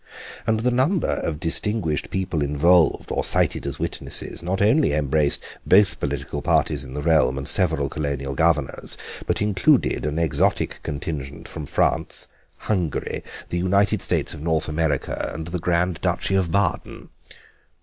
And the number of distinguished people involved or cited as witnesses not only embraced both political parties in the realm and several Colonial governors, but included an exotic contingent from France, Hungary, the United States of North America, and the Grand Duchy of Baden.